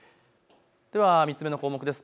３つ目の項目です。